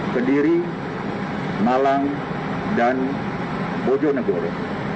kediri malang dan bojonegoro